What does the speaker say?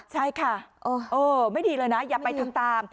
ใช่ค่ะไม่ดีเลยนะอย่าไปทำตาม